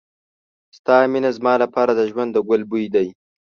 ستا مینه زما لپاره د ژوند د ګل بوی دی.